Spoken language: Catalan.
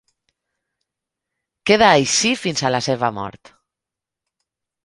Queda així fins a la seva mort.